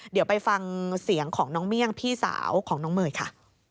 เดี๋ยวไปฟังเสียงของน้องเมี่ยงพี่สาวของน้องเมย์ค่ะ